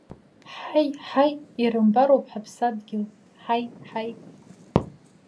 Ҳаи, ҳаи, ирымбароуп ҳаԥсадгьыл, ҳаи, ҳаи!